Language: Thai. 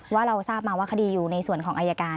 เราทราบมาว่าคดีอยู่ในส่วนของอายการ